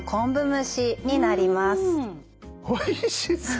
おいしそうです。